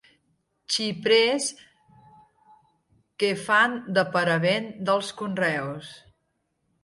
Xiprers que fan de paravent dels conreus.